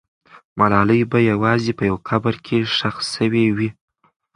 ملالۍ به یوازې په یو قبر کې ښخ سوې وي.